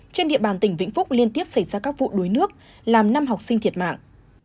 trên địa bàn tỉnh vĩnh phúc liên tiếp xảy ra các vụ đuối nước làm năm học sinh thiệt mạng